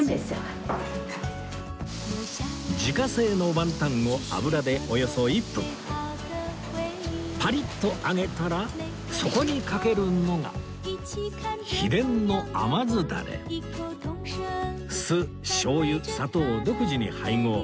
自家製のワンタンを油でおよそ１分パリッと揚げたらそこにかけるのが秘伝の甘酢ダレ酢しょうゆ砂糖を独自に配合